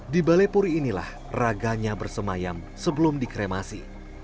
di balai puri inilah raganya bersemayam sebelum dikremasi